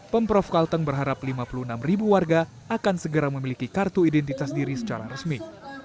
pemprov kalteng berharap lima puluh enam ribu warga akan segera memiliki kartu identitas diri secara resmi